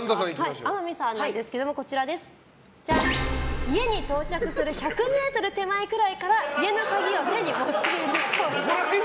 天海さんなんですけど家に到着する１００ｍ手前くらいから家の鍵を手に持っているっぽい。